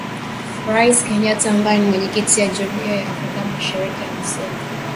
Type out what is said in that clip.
Raisi Kenyatta ambaye ni Mwenyekiti wa Jumuia ya Afrika Mashariki alisema